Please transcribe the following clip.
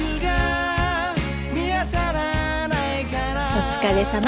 お疲れさま。